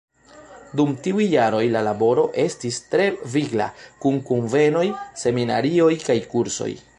Dum tiuj jaroj la laboro estis tre vigla kun kunvenoj, seminarioj kaj kursoj.